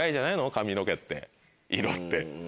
髪の毛って色って。